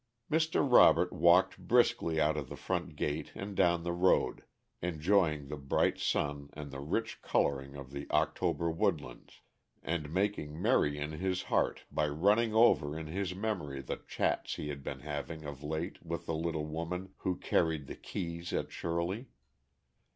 Mr. Robert walked briskly out of the front gate and down the road, enjoying the bright sun and the rich coloring of the October woodlands, and making merry in his heart by running over in his memory the chats he had been having of late with the little woman who carried the keys at Shirley.